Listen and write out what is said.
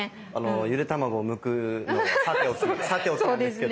ゆで卵をむくのはさておきさておきなんですけど。